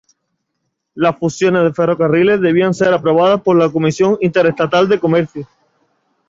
Las fusiones de ferrocarriles debían ser aprobadas por la Comisión Interestatal de Comercio.